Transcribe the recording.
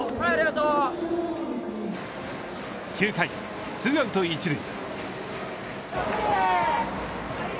９回、ツーアウト１塁。